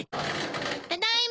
ただいま。